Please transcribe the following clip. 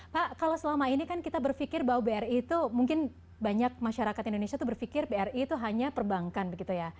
pak kalau selama ini kan kita berpikir bahwa bri itu mungkin banyak masyarakat indonesia itu berpikir bri itu hanya perbankan begitu ya